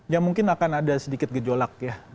ya mungkin akan ada sedikit gejolak ya